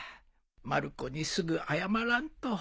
まる子にすぐ謝らんと